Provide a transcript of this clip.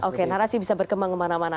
oke narasi bisa berkembang kemana mana